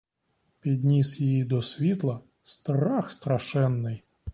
Підніс її до світла — страх страшенний!